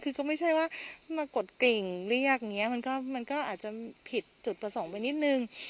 คือก็ไม่ใช่ว่ามากดกริ่งเรียกอย่างนี้มันก็อาจจะผิดจุดประสงค์ไปนิดนึง